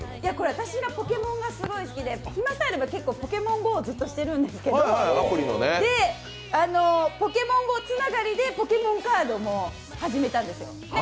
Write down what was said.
私がポケモンが好きで暇さえあればずっとポケモンＧＯをやってるんですけどポケモンＧＯつながりで、ポケモンカードも始めたんですよ。